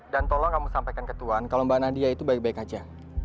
dan tolong kamu sampaikan ke tuan kalau mbak nadia itu baik baik saja